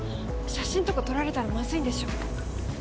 写真とか撮られたらまずいんでしょ？